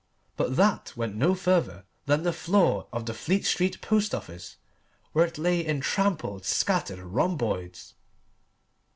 But that went no further than the floor of the Fleet Street Post Office, where it lay in trampled, scattered rhomboids.